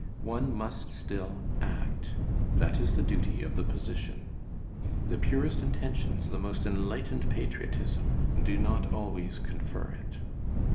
One must still act: that is the duty of the position. The purest intentions, the most enlightened patriotism, do not always confer it.